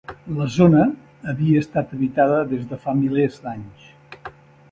La zona havia estat habitada des de fa milers d'anys.